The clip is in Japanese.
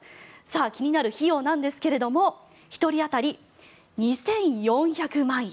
気になる費用ですが１人当たり２４００万円。